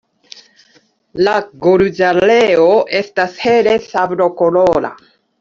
La gorĝareo estas hele sablokolora.